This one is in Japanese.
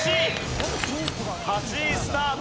８位スタート